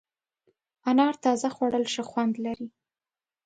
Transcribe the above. انار تازه خوړل ښه خوند لري.